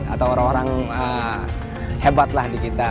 atau orang orang hebat lah di kita